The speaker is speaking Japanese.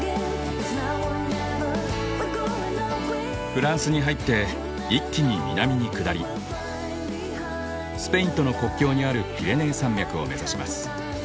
フランスに入って一気に南に下りスペインとの国境にあるピレネー山脈を目指します。